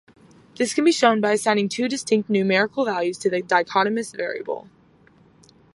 This can be shown by assigning two distinct numerical values to the dichotomous variable.